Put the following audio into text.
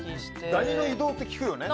ダニの移動って聞くよね。